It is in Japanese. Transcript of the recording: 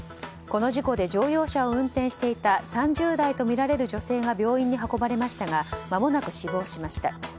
この事故で乗用車を運転していた３０代とみられる女性が病院に運ばれましたがまもなく死亡しました。